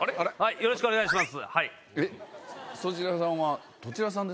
よろしくお願いします。